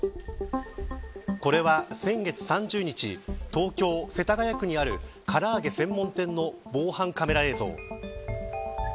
これは先月３０日東京、世田谷区にあるからあげ専門店の防犯カメラ映像。